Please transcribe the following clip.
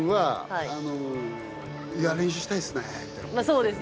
そうです。